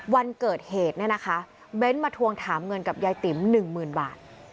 วันเกิดเหตุเนี่ยนะคะเบ้นมาทวงถามเงินกับยายติ๋ม๑๐๐๐บาท